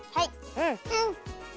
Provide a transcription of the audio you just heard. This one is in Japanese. うん。